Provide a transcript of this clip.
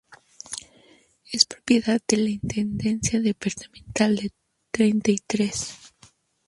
Es propiedad de la Intendencia Departamental de Treinta y Tres.